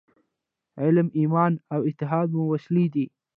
علم، ایمان او اتحاد مو وسلې دي.